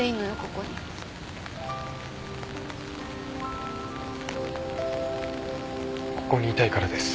ここにいたいからです。